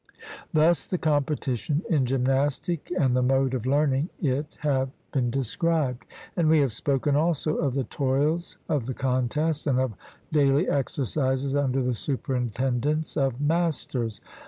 Thus the competition in gymnastic and the mode of learning it have been described; and we have spoken also of the toils of the contest, and of daily exercises under the superintendence of masters.